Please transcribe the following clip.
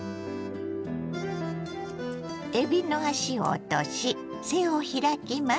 えびの足を落とし背を開きます。